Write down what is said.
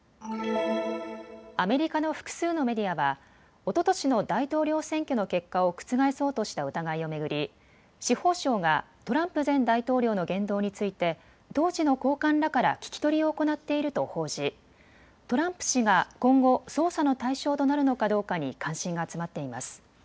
アメリカの複数のメディアはおととしの大統領選挙の結果を覆そうとした疑いを巡り司法省がトランプ前大統領の言動について当時の高官らから聞き取りを行っていると報じトランプ氏が今後、捜査の対象となるのかどうかに関心が集まっています。